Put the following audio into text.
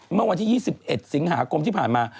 เมื่อวันที่๒๑สิงหาคมที่ผ่านมา